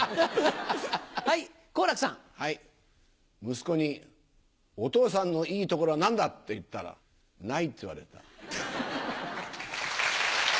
息子に「お父さんのいいところは何だ？」って言ったら「ない」って言われた。